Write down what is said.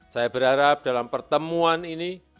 saya berharap dalam pertemuan ini